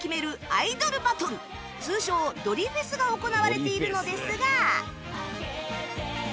アイドルバトル通称ドリフェスが行われているのですが